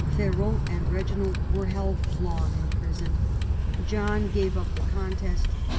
Ferrand and Reginald were held long in prison. John gave up the contest.